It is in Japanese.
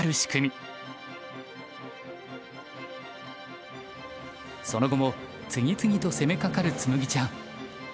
その後も次々と攻めかかる紬ちゃん。